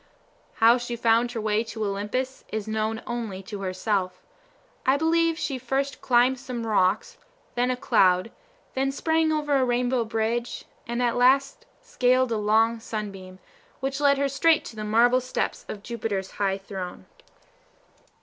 How she found her way to Olympus is known only to herself. I believe she first climbed some rocks, then a cloud, then sprang over a rainbow bridge, and at last scaled a long sunbeam, which led her straight to the marble steps of Jupiter's high throne.